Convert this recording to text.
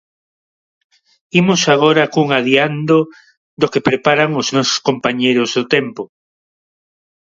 Imos agora cun adiando do que preparan os nosos compañeiros do Tempo.